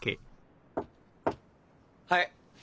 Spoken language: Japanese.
はい。